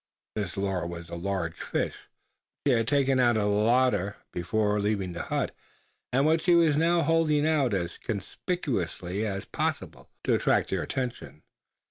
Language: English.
This lure was a large fish which he had taken out of the larder before leaving the hut, and which he was now holding out as conspicuously as possible, to attract their attention.